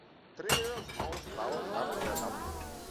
Трыа зноў стала квартэтам.